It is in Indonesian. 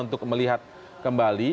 untuk melihat kembali